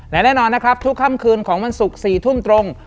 และแน่นอนนะครับทุกค่ำคืนของวันศุกร์๔ทุ่มตรง